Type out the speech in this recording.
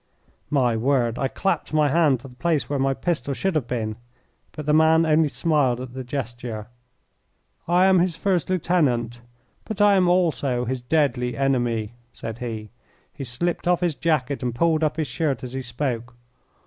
My word, I clapped my hand to the place where my pistol should have been, but the man only smiled at the gesture. "I am his first lieutenant, but I am also his deadly enemy," said he. He slipped off his jacket and pulled up his shirt as he spoke.